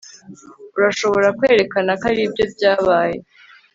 urashobora kwerekana ko aribyo byabaye